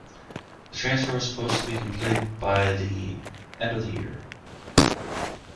The transfer was supposed to be complete by the end of the year.